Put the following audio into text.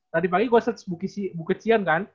tadi pagi gue search bukit si bukit cian kan